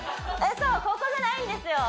そうここじゃないんですよ